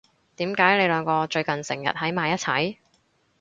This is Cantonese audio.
點解你兩個最近成日喺埋一齊？